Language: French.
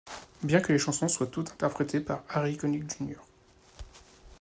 Bien que les chansons soient toutes interprétées par Harry Connick Jr.